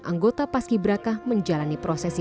anggota paski beraka menjalani prosesi